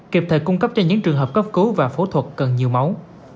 kịp thời cung cấp cho những trường hợp cấp cứu và phẫu thuật cần nhiều máu